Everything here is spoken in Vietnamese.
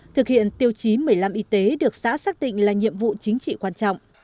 thực hiện tiêu chí một mươi năm y tế được xã xác định là nhiệm vụ chính trị quan trọng